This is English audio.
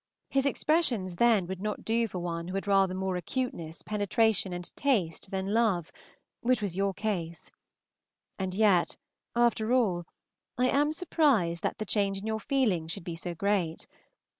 His expressions then would not do for one who had rather more acuteness, penetration, and taste, than love, which was your case. And yet, after all, I am surprised that the change in your feelings should be so great.